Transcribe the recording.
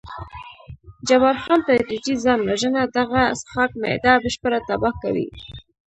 جبار خان: تدریجي ځان وژنه، دغه څښاک معده بشپړه تباه کوي.